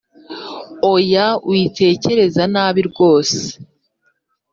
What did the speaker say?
oya witekereza nabi rwose